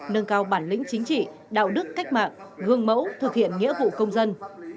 nâng cao bản lĩnh chính trị đạo đức cách mạng gương mẫu thực hiện nghĩa vụ công dân